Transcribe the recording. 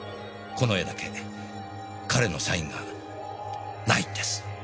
この絵だけ彼のサインがないんです。